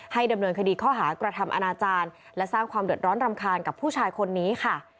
ดำเนินคดีข้อหากระทำอนาจารย์และสร้างความเดือดร้อนรำคาญกับผู้ชายคนนี้ค่ะ